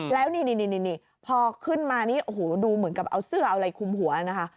แล้วนี่พอขึ้นมานี่โอ้โหดูเหมือนกับเอาเสื้อเอาอะไรคุมหัวนะคะ